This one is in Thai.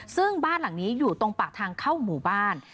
ซึ่งบ้านหลังนี้อยู่ตรงปากทางเข้าหมู่บ้าน